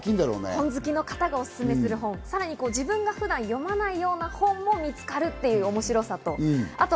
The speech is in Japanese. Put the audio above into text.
本好きの方がおすすめする本、さらには自分が普段読まないような本も見つかる面白さがあると。